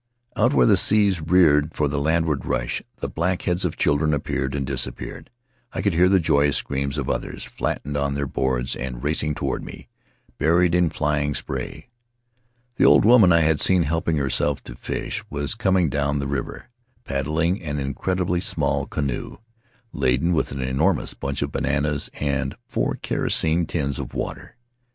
Out where the seas reared for the landward rush the black heads of children appeared and disappeared; I could hear the joyous screams of others, flattened on their boards and racing toward me, buried in flying spray. The old woman I had seen helping herself to fish was coming down the river, paddling an incredibly In the Valley of Vaitia small canoe, laden with an enormous bunch of bananas and four kerosene tins of water.